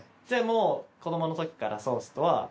じゃあもう子どものときからソースとは。